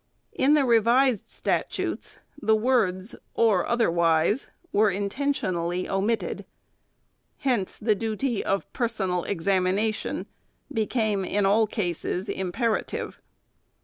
In the Revised Statutes, the words " or otherwise " were intentionally omitted. Hence the duty of personal examination became, in all cases, imper ative.